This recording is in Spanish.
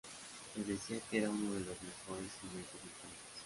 Se decía que era uno de los mejores jinetes del país.